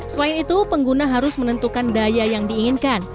selain itu pengguna harus menentukan daya yang diinginkan